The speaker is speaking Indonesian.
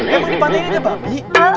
emang di pantai ini babi